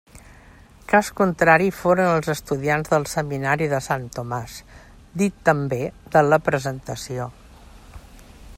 Cas contrari foren els estudiants del seminari de Sant Tomàs, dit també de la Presentació.